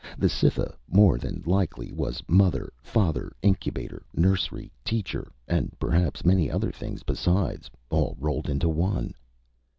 The Cytha, more than likely, was mother father, incubator, nursery, teacher and perhaps many other things besides, all rolled into one.